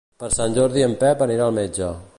Per Sant Jordi en Pep anirà al metge.